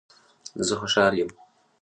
زه خوشحال یم